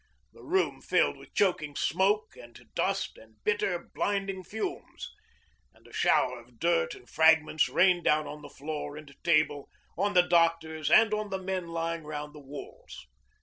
The room filled with choking smoke and dust and bitter blinding fumes, and a shower of dirt and fragments rained down on the floor and table, on the doctors, and on the men lying round the walls.